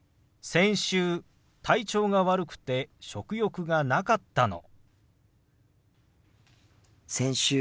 先週体調が悪くて食欲がなかったの。